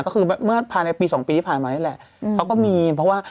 ก็คือเมื่อภายในปี๒ปีที่ผ่านมานี่แหละเขาก็มีเพราะว่า